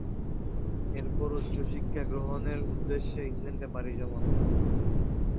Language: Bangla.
এরপর, উচ্চশিক্ষা গ্রহণের উদ্দেশ্যে ইংল্যান্ডে পাড়ি জমান।